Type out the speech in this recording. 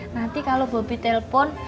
nanti kalau bobby telepon